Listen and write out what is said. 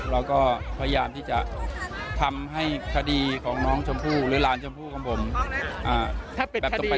เราก็พยายามที่จะทำให้คดีของน้องชมพู่หรือหลานชมพู่ของผม